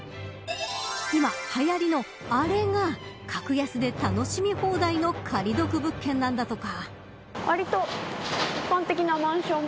今、はやりのあれが格安で楽しみ放題の借り得物件なんだとか。